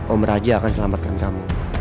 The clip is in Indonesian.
om raja akan selamatkan kamu